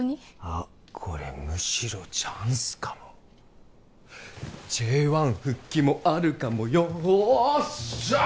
あこれむしろチャンスかもＪ１復帰もあるかもよーっしゃ！